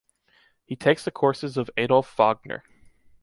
He takes the courses of Adolph Wagner.